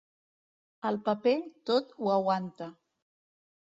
El paper tot ho aguanta.